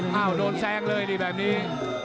โอ้โหโดนแซงเลยเลยแบบนี้